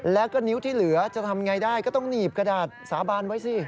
แล้วก็นิ้วที่เหลือจะทำไงได้ก็ต้องหนีบกระดาษสาบานไว้สิ